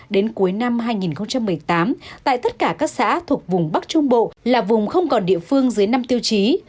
đến cuối năm hai nghìn một mươi tám tại tất cả các xã thuộc vùng bắc trung bộ là vùng không còn địa phương dưới năm tiêu chí